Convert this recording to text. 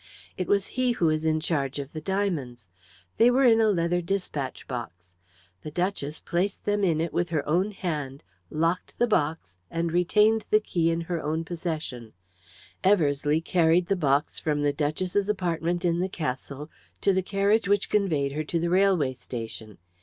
It was he who was in charge of the diamonds. They were in a leather despatch box. The duchess placed them in it with her own hand, locked the box, and retained the key in her own possession. Eversleigh carried the box from the duchess's apartment in the Castle to the carriage which conveyed her to the railway station.